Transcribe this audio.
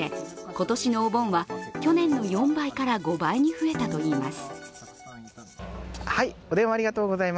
今年のお盆は去年の４倍から５倍に増えたといいます。